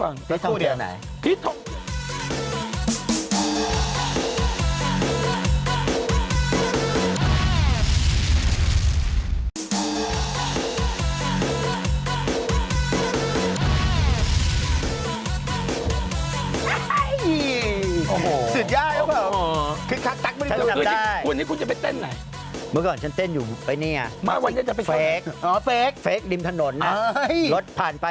วันนี้เข้าไปเต้นไหนเมื่อก่อนฉันเต้นอยู่ไม่เนี่ยมาวันนี้จะไปเฟ่งอ๋อเป็ดเฟซบลินถนนนะฮะ